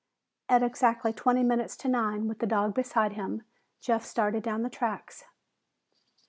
At exactly twenty minutes to nine, with the dog beside him, Jeff started down the tracks.